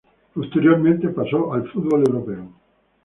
Posteriormente pasó al fútbol europeo.